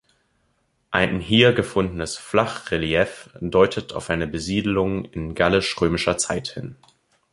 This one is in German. Ein hier gefundenes Flachrelief deutet auf eine Besiedelung in gallisch-römischer Zeit hin.